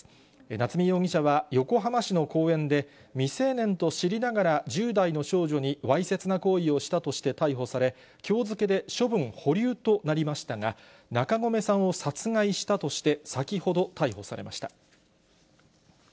夏見容疑者は横浜市の公園で未成年と知りながら１０代の少女にわいせつな行為をしたとして逮捕され、きょう付けで処分保留となりましたが、中込さんを殺害したとして、先ほど逮捕されました。